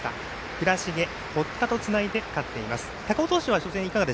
倉重、堀田とつないで勝っています。